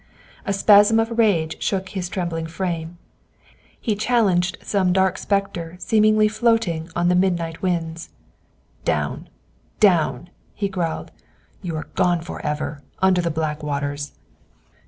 A spasm of rage shook his trembling frame. He challenged some dark spectre seemingly floating on the midnight winds. "Down, down," he growled. "You are gone forever, under the black waters.